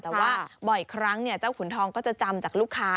แต่ว่าบ่อยครั้งเจ้าขุนทองก็จะจำจากลูกค้า